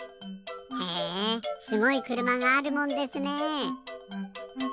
へえすごいくるまがあるもんですね。